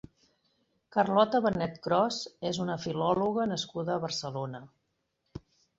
Carlota Benet Cros és una filòloga nascuda a Barcelona.